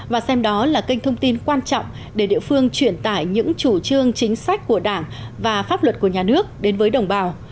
và xem đó là kênh thông tin quan trọng để địa phương truyền tải những chủ trương chính sách của đảng và pháp luật của nhà nước đến với đồng bào